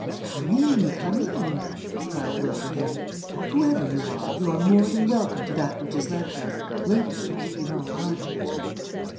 "Come in, come in!" cried Wilbraham. "Whoever you are, you are more than welcome to that which is left us; little enough in all conscience."